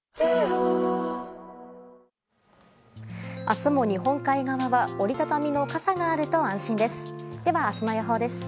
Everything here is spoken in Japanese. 明日も、日本海側は折り畳みの傘があると安心です。